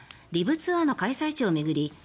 ＬＩＶツアーの開催地を巡り